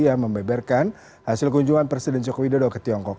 yang membeberkan hasil kunjungan presiden jokowi dodo ke tiongkok